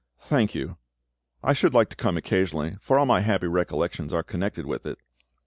"Thank you; I should like to come occasionally, for all my happy recollections are connected with it.